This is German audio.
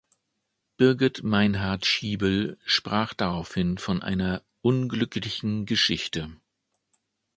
Birgit Meinhard-Schiebel sprach daraufhin von einer „unglücklichen Geschichte“.